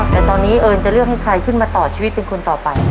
แต่ตอนนี้เอิญจะเลือกให้ใครขึ้นมาต่อชีวิตเป็นคนต่อไป